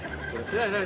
何？